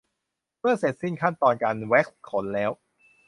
เมื่อเสร็จสิ้นขั้นตอนการแว็กซ์ขนแล้ว